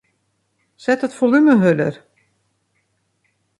Set it folume hurder.